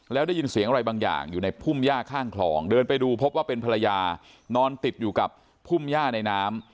แล้วได้ยินเสียงอะไรบางอย่างอยู่ในพุ่มย่าข้างคลองเดินไปดูพบว่าเป็นภรรยานอนติดอยู่กับพุ่มย่าในน้ำ